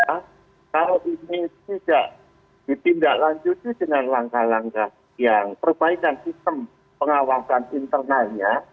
kalau ini tidak ditindaklanjuti dengan langkah langkah yang perbaikan sistem pengawasan internalnya